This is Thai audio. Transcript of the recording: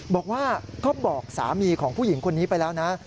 บอกว่าก็บอกสามีของผู้หญิงคนนี้ไปแล้วนะ